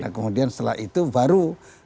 kemudian setelah itu baru